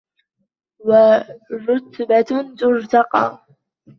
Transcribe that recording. وَرُتْبَةً تُرْتَقَى